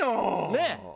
ねえ。